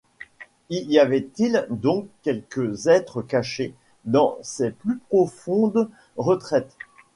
Y avait-il donc quelque être caché dans ses plus profondes retraites?